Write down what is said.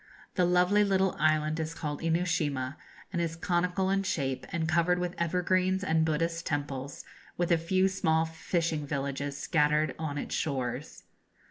The lovely little island is called Inoshima, and is conical in shape and covered with evergreens and Buddhist temples, with a few small fishing villages scattered on its shores.